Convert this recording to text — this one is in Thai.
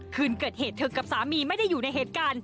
คืนเกิดเหตุเธอกับสามีไม่ได้อยู่ในเหตุการณ์